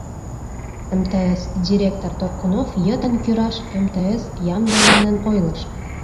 МТС директор Торкунов йытын кӱраш МТС ямде манын ойлыш.